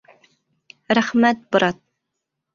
Рәхмәт, брат!